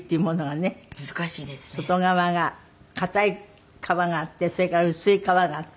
外側が硬い皮があってそれから薄い皮があって。